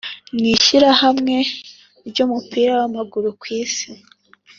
n’Ishyirahamwe ry’Umupira w’Amaguru kwisi